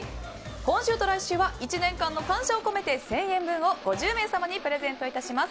今週と来週は１年間の感謝を込めて１０００円分を５０名様にプレゼント致します。